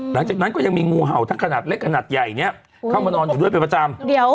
หลังจากนั้นก็ยังมีงูเห่าทั้งขนาดเล็กขนาดใหญ่เนี่ยเข้ามานอนอยู่ด้วยเป็นประจำ